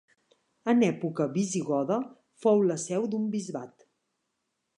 En època visigoda fou la seu d'un bisbat.